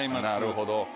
なるほど。